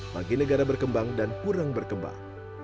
bagi negara berkembang dan kurang berkembang